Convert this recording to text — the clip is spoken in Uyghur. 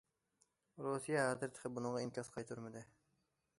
رۇسىيە ھازىر تېخى بۇنىڭغا ئىنكاس قايتۇرمىدى.